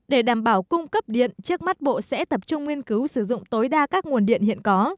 để đảm bảo cung cấp điện trước mắt bộ sẽ tập trung nguyên cứu sử dụng tối đa các nguồn điện hiện có